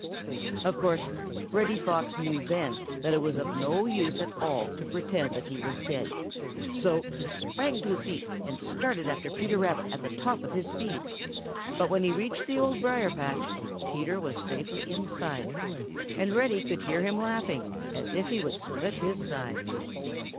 Of course, Reddy Fox knew then that it was of no use at all to pretend that he was dead, so he sprang to his feet and started after Peter Rabbit at the top of his speed, but when he reached the Old Briar patch, Peter was safely inside, and Reddy could hear him laughing as if he would split his sides.